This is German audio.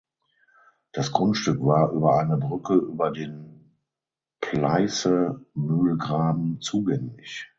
Das Grundstück war über eine Brücke über den Pleißemühlgraben zugänglich.